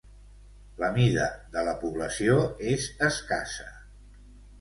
La mida de la població és escassa.